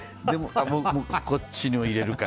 こっちにも入れるか。